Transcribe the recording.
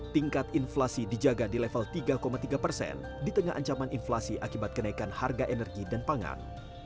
tingkat inflasi dijaga di level tiga tiga persen di tengah ancaman inflasi akibat kenaikan harga energi dan pangan